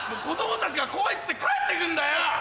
子供たちが怖いっつって帰って行くんだよ！